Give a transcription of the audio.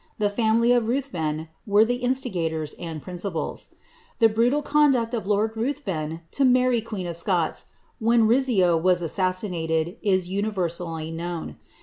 ihi; family of Rutbven were die instigators and princi|)als. The bnilal C'j'.i duct of lord Kulhven to llary (jneeii of Scot*, when Rizzio was asr:5 siiiated, is universally known.